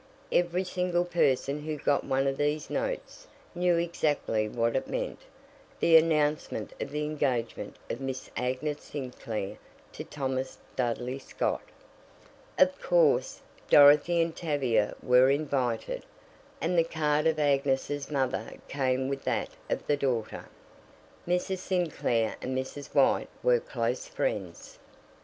Every single person who got one of these notes knew exactly what it meant the announcement of the engagement of Miss Agnes Sinclair to Thomas Dudley Scott. Of course, Dorothy and Tavia were invited, and the card of Agnes' mother came with that of the daughter. Mrs. Sinclair and Mrs. White were close friends.